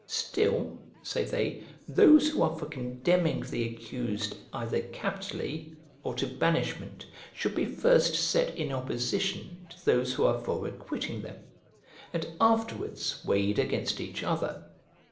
"Still," say they, "those who are for condemning the accused either capitally or to banishment should be first set in opposition to those who are for acquitting them, and afterwards weighed against each other."